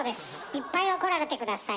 いっぱい怒られて下さい。